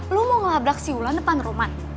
lo mau ngelabrak si ulan depan roman